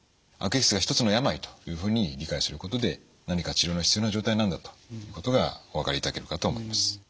悪液質がひとつの病というふうに理解することで何か治療の必要な状態なんだということがお分かりいただけるかと思います。